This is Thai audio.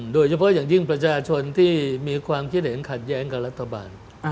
โดยเฉพาะอย่างยิ่งประชาชนที่มีความคิดเห็นขัดแย้งกับรัฐบาล